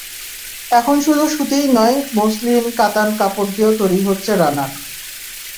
এখন শুধু সুতিই নয়, মসলিন, কাতান কাপড় দিয়েও তৈরি হচ্ছে রানার।